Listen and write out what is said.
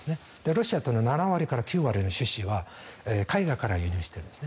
ロシアは７割から９割の種子は海外から輸入しているんです。